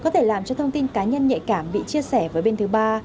tin cá nhân nhạy cảm bị chia sẻ với bên thứ ba